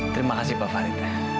terima kasih pak farid